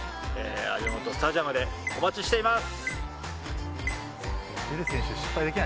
味の素スタジアムでお待ちしてます。